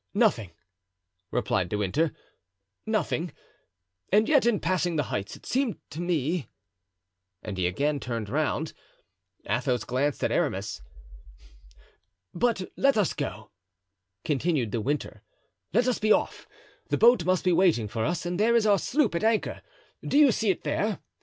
"Nothing," replied De Winter; "nothing; and yet in passing the heights it seemed to me——" and he again turned round. Athos glanced at Aramis. "But let us go," continued De Winter; "let us be off; the boat must be waiting for us and there is our sloop at anchor—do you see it there?